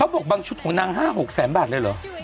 บอกบางชุดของนาง๕๖แสนบาทเลยเหรอ